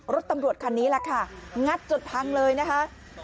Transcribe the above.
รถตำรวจคันนี้แหละค่ะงัดจนพังเลยนะคะ